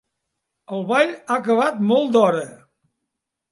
El ball ha acabat molt d'hora.